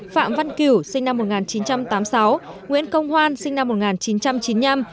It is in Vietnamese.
phạm văn kiểu sinh năm một nghìn chín trăm tám mươi sáu nguyễn công hoan sinh năm một nghìn chín trăm chín mươi năm